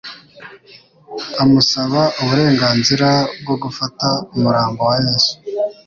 amusaba uburenganzira bwo gufata umurambo wa Yesu.